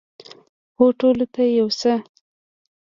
هو، ټولو ته یو څه